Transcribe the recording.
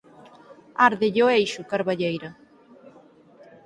Árdelle o eixo, carballeira!